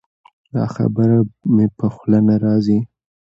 دا خبره مې په خوله نه راځي.